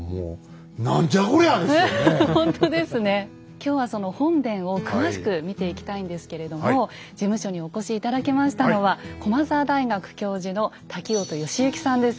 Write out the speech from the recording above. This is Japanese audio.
今日はその本殿を詳しく見ていきたいんですけれども事務所にお越し頂きましたのは駒澤大学教授の瀧音能之さんです。